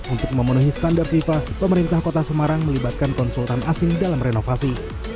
untuk memenuhi standar fifa pemerintah kota semarang melibatkan konsultan asing dalam renovasi